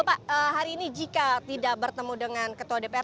pak hari ini jika tidak bertemu dengan ketua dpr